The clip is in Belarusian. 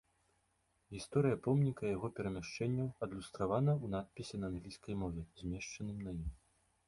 Гісторыя помніка і яго перамяшчэнняў адлюстравана ў надпісе на англійскай мове, змешчаным на ім.